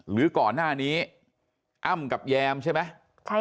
หรือก่อนหน้านี้อ้ำกับแยมใช่ไหม